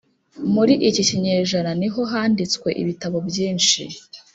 muri iki kinyejana ni ho handitswe ibitabo byinshi